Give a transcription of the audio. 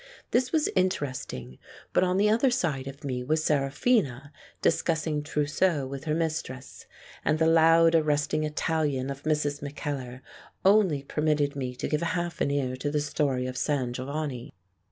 This was interest ing, but on the other side of me was Seraphina dis cussing trousseau with her mistress, and the loud arresting Italian of Mrs. Mackellar only permitted me to give half an ear to the story of San Giovanni.